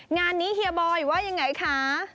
งานนี้เฮียบอยว่ายังไงคะ